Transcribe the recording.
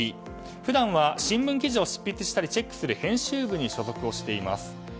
普段は新聞記事を執筆したりチェックする編集部に所属をしています。